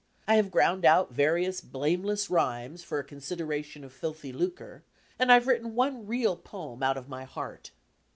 I have ground out vari ous blameless rhymes for a consideration of filthy lucre, and I've written one real poem out of my heart.